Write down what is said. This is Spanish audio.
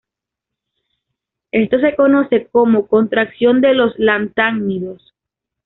Esto se conoce como "contracción de los lantánidos".